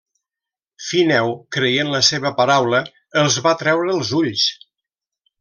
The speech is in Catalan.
Fineu, creient la seva paraula, els va treure els ulls.